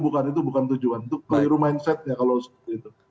bukan itu bukan tujuan itu keliru mindset ya kalau gitu